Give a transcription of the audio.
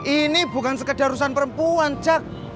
ini bukan sekedar urusan perempuan cak